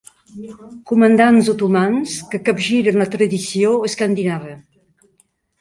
Comandants otomans que capgiren la tradició escandinava.